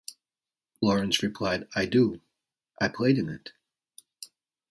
Lawrence replied I do, I played in it.